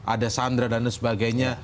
ada sandra dan sebagainya